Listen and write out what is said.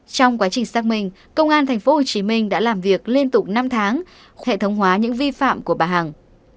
trong quá trình xác minh công an tp hcm đã làm việc liên tục năm tháng hệ thống hóa những vi phạm của bà hằng